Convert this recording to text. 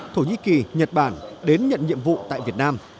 thổ nhĩ kỳ nhật bản đến nhận nhiệm vụ tại việt nam